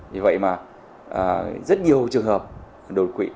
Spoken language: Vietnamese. vì vậy mà rất nhiều trường hợp đột quỵ